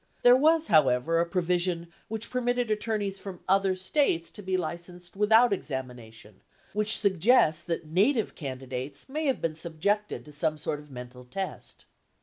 There was, however, a provision which permitted attorneys from other States to be licensed without examination, which suggests that native candidates may have been subjected to some sort of mental test 2